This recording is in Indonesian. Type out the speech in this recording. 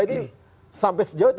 ini sampai sejauh itu